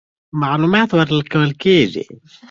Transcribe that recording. معلومات ورکول کېږي.